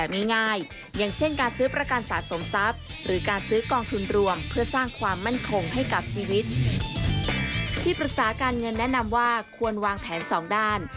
ที่ปรึกษาการเงินแนะนำว่าควรวางแผนสองด้าน